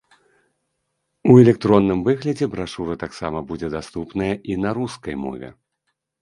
У электронным выглядзе брашура таксама будзе даступная і на рускай мове.